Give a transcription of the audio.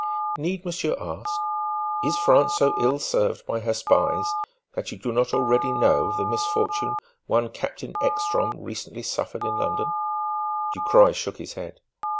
"Need monsieur ask? Is France so ill served by her spies that you do not already know of the misfortune one Captain Ekstrom recently suffered in London?" Ducroy shook his head.